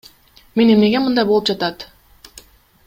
Мен эмнеге мындай болуп жатат?